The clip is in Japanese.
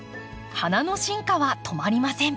花の進化は止まりません。